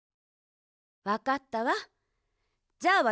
わかったわ。